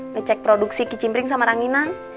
ngecek produksi kicimpring sama ranginan